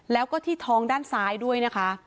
แล้วก็ที่ท้องด้านซ้ายด้วยนะคะ